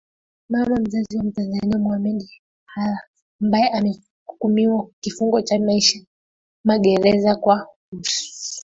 mama mzazi wa mtanzania ahmed hailan ambae amehukumiwa kifungo cha maisha gerezani kwa kuhusika